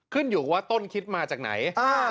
ขึ้นอยู่ว่าต้นคิดมาจากไหน